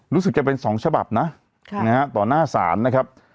รู้สึกจะเป็น๒ฉบับนะต่อหน้าศาลนะครับ